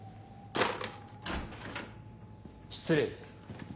失礼。